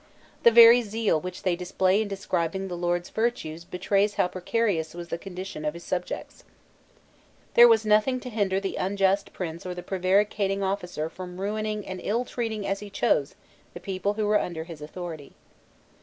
The very zeal which they display in describing the lord's virtues betrays how precarious was the condition of his subjects. There was nothing to hinder the unjust prince or the prevaricating officer from ruining and ill treating as he chose the people who were under his authority.